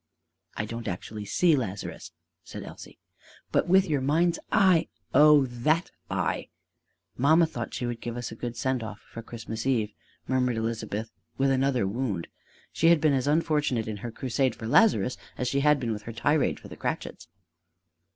"I don't actually see Lazarus," said Elsie. "But with your mind's eye !" "Oh, that eye !" "Mamma thought she would give us a good send off for Christmas Eve," murmured Elizabeth with another wound: she had been as unfortunate in her crusade for Lazarus as she had been with her tirade for the Cratchits.